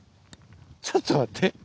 ちょっと待って。